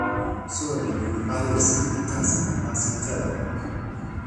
soweli ni li pali e sinpin kasi lon nasin telo.